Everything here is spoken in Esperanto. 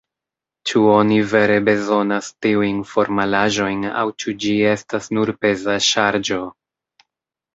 Ĉu oni vere bezonas tiujn formalaĵojn, aŭ ĉu ĝi estas nur peza ŝarĝo?